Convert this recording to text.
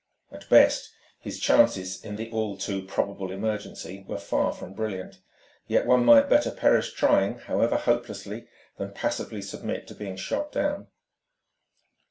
At best his chances in the all too probable emergency were far from brilliant. Yet one might better perish trying, however hopelessly, than passively submit to being shot down.